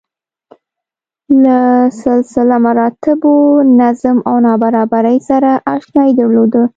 له سلسله مراتبو، نظم او نابرابرۍ سره اشنايي درلوده.